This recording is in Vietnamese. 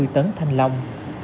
bốn mươi tấn thanh lòng